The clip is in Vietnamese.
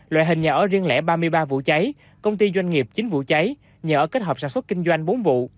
loại hình nhà ở riêng lẻ ba mươi ba vụ cháy công ty doanh nghiệp chín vụ cháy nhà ở kết hợp sản xuất kinh doanh bốn vụ